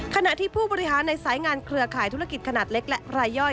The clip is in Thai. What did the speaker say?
ขณะที่ผู้บริหารในสายงานเครือข่ายธุรกิจขนาดเล็กและรายย่อย